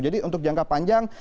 jadi untuk jangka panjang